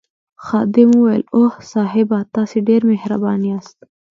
خادم وویل اوه صاحبه تاسي ډېر مهربان یاست.